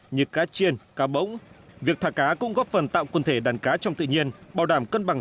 như cá chiên cá bỗng việc thả cá cũng góp phần tạo quần thể đàn cá trong tự nhiên bảo đảm cân bằng